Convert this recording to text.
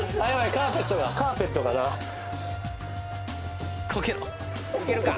カーペットがカーペットがなこけろいけるか？